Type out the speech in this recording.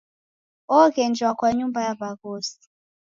Oghenjwa kwa nyumba ya w'aghosi.